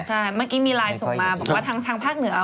ใช่เมื่อกี้มีไลน์ส่งมาบอกว่าทางภาคเหนือ